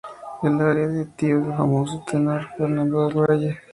Él era el tío del famoso tenor Fernando del Valle.